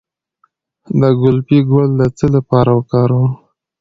د ګلپي ګل د څه لپاره وکاروم؟